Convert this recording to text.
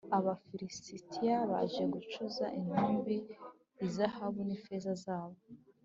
Abafilisitiya baje gucuza intumbi izahabu n’ifeza zabo